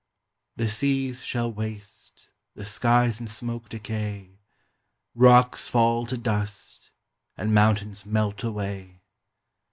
The seas shall waste, the skies in smoke decay, Rocks fall to dust, and mountains melt away!